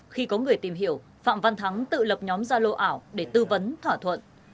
khi có người tìm hiểu phạm văn thắng tự lập nhóm gia lô ảo để tư vấn thỏa thuận